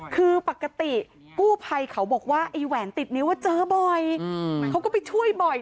คือปกติกู้ภัยเขาบอกว่าไอ้แหวนติดนิ้วเจอบ่อยเขาก็ไปช่วยบ่อย